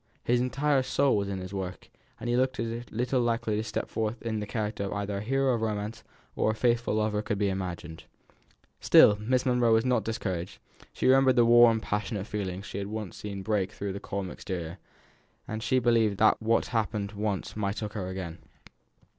His entire soul was in his work, and he looked as little likely to step forth in the character of either a hero of romance or a faithful lover as could be imagined. Still Miss Monro was not discouraged; she remembered the warm, passionate feeling she had once seen break through the calm exterior, and she believed that what had happened once might occur again.